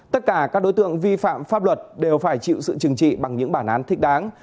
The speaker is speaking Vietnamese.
tất cả các đối tượng vi phạm pháp luật đều phải chịu sự chừng trị bằng những bản án thích đáng